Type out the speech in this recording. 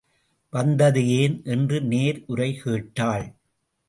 வந்தது ஏன்? என்று நேர் உரை கேட்டாள்.